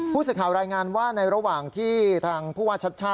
ผู้สื่อข่าวรายงานว่าในระหว่างที่ทางผู้ว่าชัด